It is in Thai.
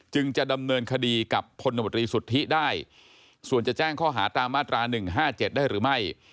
จะดำเนินคดีกับพลตมตรีสุทธิได้ส่วนจะแจ้งข้อหาตามมาตรา๑๕๗ได้หรือไม่